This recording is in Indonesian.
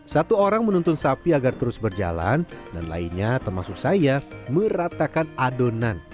satu orang menuntun sapi agar terus berjalan dan lainnya termasuk saya meratakan adonan